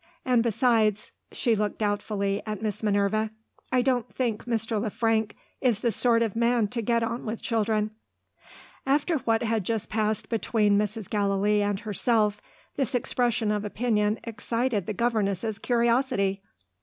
And besides " she looked doubtfully at Miss Minerva "I don't think Mr. Le Frank is the sort of man to get on with children." After what had just passed between Mrs. Gallilee and herself, this expression of opinion excited the governess's curiosity.